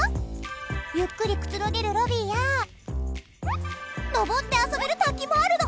ゆっくりくつろげるロビーや登って遊べる滝もあるの。